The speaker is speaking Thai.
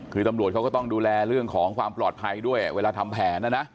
คือตำรวจเขาก็ต้องดูแลเรื่องของความปลอดภัยด้วยเวลาทำแผนนะนะ